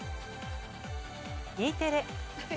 Ｅテレ。